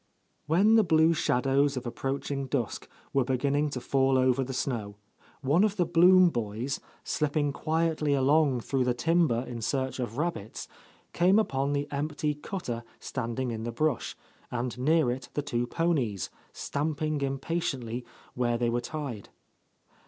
When the blue shadows of approaching dusk were beginning to fall over the snow, one of the Blum boys, slipping quietly along through the timber in search of rabbits, came upon the empty cutter standing in the brush, and near it the two ponies, stamping impatiently where they were tied.